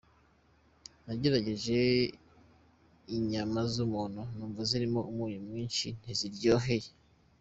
Nagerageje inyama z’umuntu numva zirimo umunyu mwinshi ntizindyoheye.